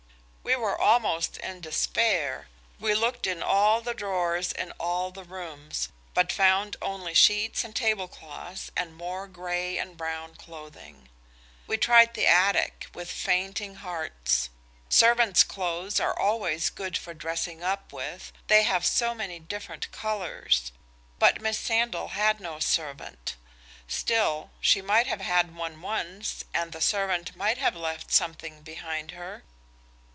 We were almost in despair. We looked in all the drawers in all the rooms, but found only sheets and tablecloths and more grey and brown clothing. We tried the attic, with fainting hearts. Servants' clothes are always good for dressing up with; they have so many different colours. But Miss Sandal had no servant. Still, she might have had one once, and the servant might have left something behind her.